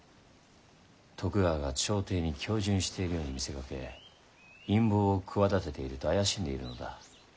徳川が朝廷に恭順しているように見せかけ陰謀を企てていると怪しんでいるのだ。